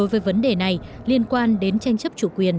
với vấn đề này liên quan đến tranh chấp chủ quyền